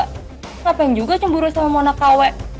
kenapa yang juga cimburung sama mau nak kawet